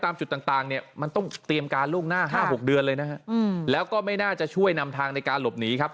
มีอีกประเด็นหนึ่งครับ